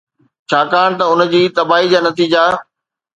ڇاڪاڻ ته ان جي تباهي جا نتيجا